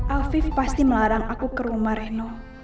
afif pasti melarang aku ke rumah reno